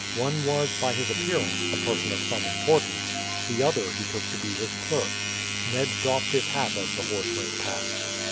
One was, by his appearance, a person of some importance, the other he took to be his clerk. Ned doffed his hat as the horse went past.